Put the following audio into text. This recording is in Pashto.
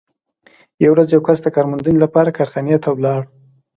یوه ورځ یو کس د کار موندنې لپاره کارخانې ته ولاړ